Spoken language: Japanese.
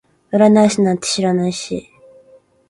占い師なんて知らないし